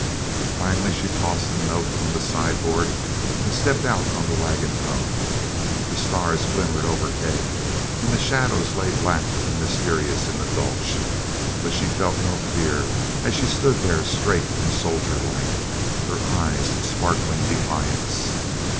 Finally, she tossed the note on the sideboard and stepped out on the wagon tongue. The stars glimmered overhead and the shadows lay black and mysterious in the gulch, but she felt no fear as she stood there straight and soldierlike, her eyes sparkling defiance.